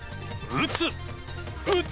打つ！